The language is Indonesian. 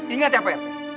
ingat ya pak rt